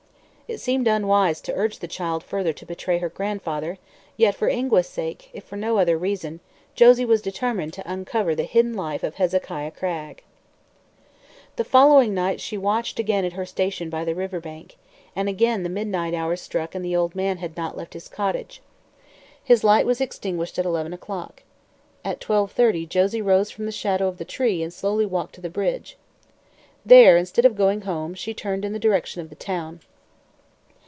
It seemed unwise to urge the child further to betray her grandfather, yet for Ingua's sake, if for no other reason, Josie was determined to uncover the hidden life of Hezekiah Cragg. The following night she watched again at her station by the river bank, and again the midnight hour struck and the old man had not left his cottage. His light was extinguished at eleven o'clock. At twelve thirty Josie rose from the shadow of the tree and slowly walked to the bridge. There, instead of going home, she turned in the direction of the town.